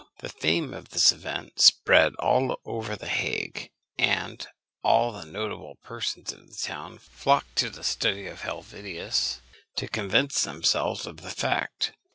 The fame of this event spread all over the Hague, and all the notable persons of the town flocked to the study of Helvetius to convince themselves of the fact.